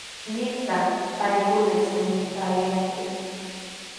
¿Imanirtaq paykuna shamuyanqaku?